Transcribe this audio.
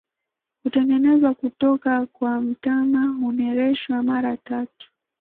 Hutengenezwa kutoka kwa mtama, hunereshwa mara tatu.